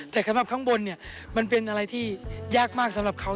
แต่ข้างบนมันเป็นอะไรที่ยากมากสำหรับเขา